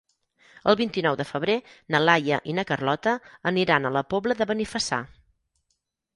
El vint-i-nou de febrer na Laia i na Carlota aniran a la Pobla de Benifassà.